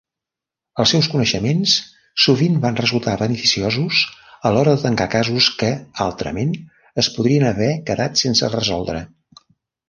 Els seus coneixements sovint van resultar beneficiosos a l'hora de tancar casos que, altrament, es podrien haver quedat sense resoldre.